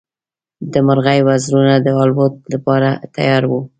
د مرغۍ وزرونه د الوت لپاره تیار وو.